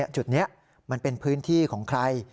จุดนี้มันเป็นพื้นที่ของใคร